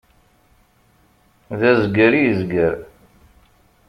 D azgar i yezger.